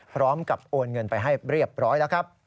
โอนเงินไปให้เรียบร้อยแล้วครับ